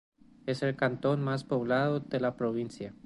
Es el cantón más poblado de la provincia.